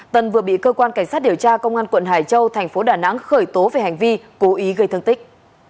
tân vừa bị cơ quan cảnh sát điều tra công an quận hải châu thành phố đà nẵng khởi tố về hành vi cố ý gây thương tích